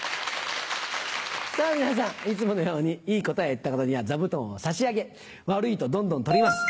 さぁ皆さんいつものようにいい答え言った方には座布団を差し上げ悪いとどんどん取ります。